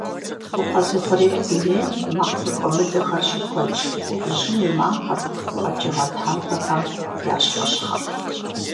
Укъэзыухъуреихь дунейм макъ зэхуэмыдэхэр щыкуэдщ: жьым и макъыр, къэкӀыгъэ тхьэмпэхэм я щхъыщхъыр.